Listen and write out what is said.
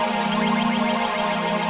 kau jangan terbiasa